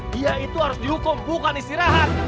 dia itu harus dihukum bukan istirahat